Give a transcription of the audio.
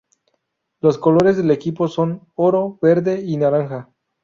Los colores del equipo son oro, verde y naranja.